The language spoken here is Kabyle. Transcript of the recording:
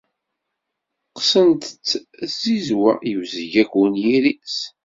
Qqsen-t tzizwa, yebzeg akk unyir-is.